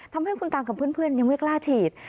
ทำให้คุณตากับเพื่อนยังไม่กล้าฉีด